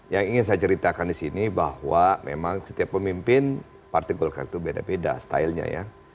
yang ingin saya ceritakan di sini bahwa memang setiap pemimpin partai golkar itu beda beda stylenya ya